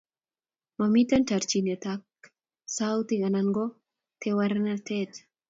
Momitei terchinet ak sautik anan ko tewernatet